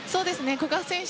古賀選手